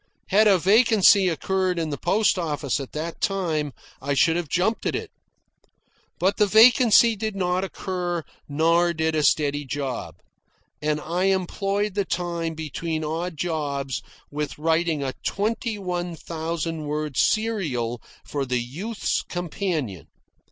Had a vacancy occurred in the post office at that time, I should have jumped at it. But the vacancy did not occur, nor did a steady job; and I employed the time between odd jobs with writing a twenty one thousand word serial for the "Youth's Companion."